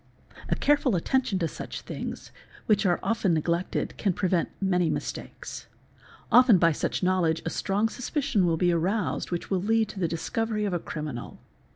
A careful attention to such things, which are often neglected, can prevent many mistakes; often by such knowledge a strong suspicion will be aroused which will lead to the discovery of a criminal.